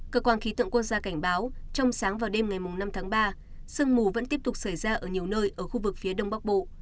cơ quan khí tượng quốc gia cảnh báo trong sáng và đêm ngày năm tháng ba sương mù vẫn tiếp tục xảy ra ở nhiều nơi ở khu vực phía đông bắc bộ